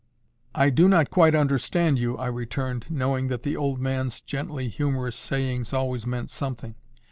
"I do not quite understand you," I returned, knowing that the old man's gently humorous sayings always meant something.